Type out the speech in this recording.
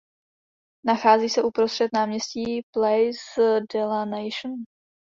Nachází se uprostřed náměstí "Place de la Nation".